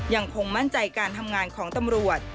ยังคงมั่นใจการทำงานของตำรวจ